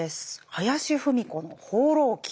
林芙美子の「放浪記」。